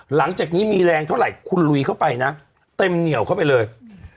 หลังจากนี้มีแรงเท่าไหร่คุณลุยเข้าไปนะเต็มเหนียวเข้าไปเลย